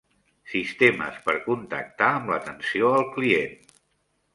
Sistemes per contactar amb l'atenció al client.